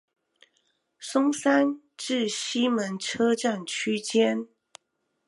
松山至西門車站區間